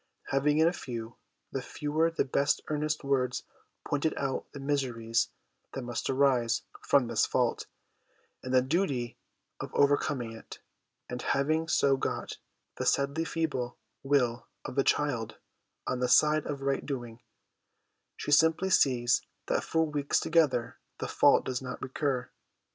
Having in a few the fewer the better earnest words pointed out the miseries that must arise from this fault, and the duty of over coming it, and having so got the (sadly feeble) will of the child on the side of right doing, she simply sees that for weeks together the fault does not recur.